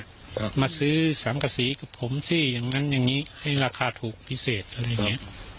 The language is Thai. ครับมาซื้อสามกษีกับผมสิอย่างนั้นอย่างงี้ให้ราคาถูกพิเศษอะไรอย่างเงี้ย